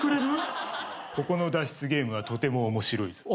ここの脱出ゲームはとても面白いぞ。